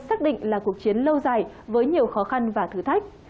xác định là cuộc chiến lâu dài với nhiều khó khăn và thử thách